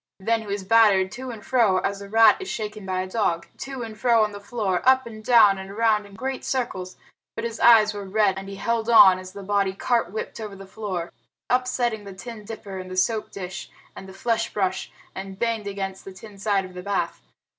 Then he was battered to and fro as a rat is shaken by a dog to and fro on the floor, up and down, and around in great circles, but his eyes were red and he held on as the body cart whipped over the floor, upsetting the tin dipper and the soap dish and the flesh brush, and banged against the tin side of the bath.